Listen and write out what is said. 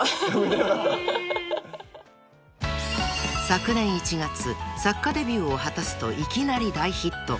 ［昨年１月作家デビューを果たすといきなり大ヒット］